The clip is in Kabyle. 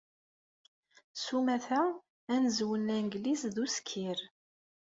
S umata, anezwu n Langliz d uskir.